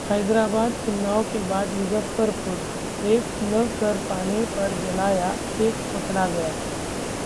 हैदराबाद, उन्नाव के बाद मुजफ्फरपुर: रेप न कर पाने पर जलाया, एक पकड़ा गया